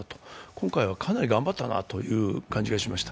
今回はかなり頑張ったなという感じがしました。